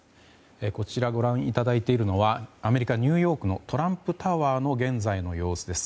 こちら、ご覧いただいているのはアメリカ・ニューヨークのトランプタワーの現在の様子です。